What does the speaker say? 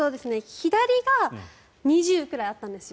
左が２０ｋｇくらいあったんですよ。